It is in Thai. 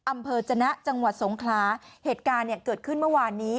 อำเภอจนะจังหวัดสงคลาเหตุการณ์เนี่ยเกิดขึ้นเมื่อวานนี้